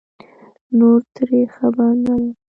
نور ترې خبر نه لرم